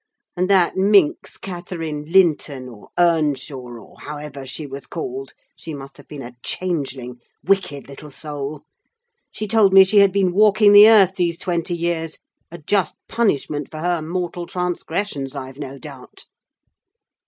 And that minx, Catherine Linton, or Earnshaw, or however she was called—she must have been a changeling—wicked little soul! She told me she had been walking the earth these twenty years: a just punishment for her mortal transgressions, I've no doubt!"